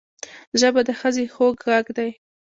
ژبه د ښځې خوږ غږ دی